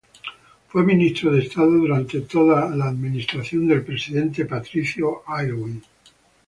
Fue ministro de Estado durante toda la administración del presidente Patricio Aylwin.